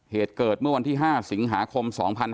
เหตุเกิดเมื่อวันที่๕สิงหาคม๒๕๕๙